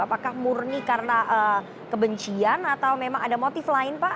apakah murni karena kebencian atau memang ada motif lain pak